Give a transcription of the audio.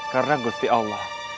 karena gusti allah